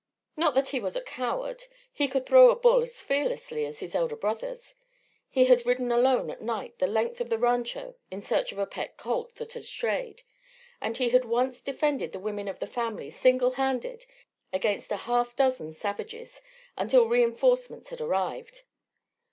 Not that he was a coward. He could throw a bull as fearlessly as his elder brothers; he had ridden alone at night the length of the rancho in search of a pet colt that had strayed; and he had once defended the women of the family single handed against a half dozen savages until reinforcements had arrived.